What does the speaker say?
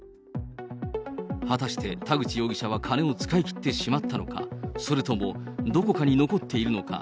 果たして田口容疑者は金を使い切ってしまったのか、それともどこかに残っているのか。